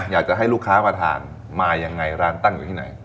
อยากจะให้ลูกค้ามาทานมายังไงร้านตั้งอยู่ที่ไหน